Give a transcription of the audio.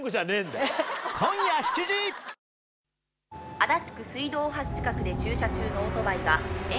「足立区水道大橋近くで駐車中のオートバイが」